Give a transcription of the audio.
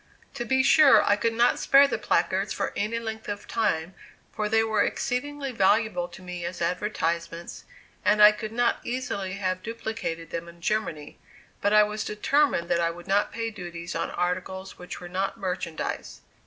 To be sure, I could not spare the placards for any length of time, for they were exceedingly valuable to me as advertisements and I could not easily have duplicated them in Germany; but I was determined that I would not pay duties on articles which were not merchandise.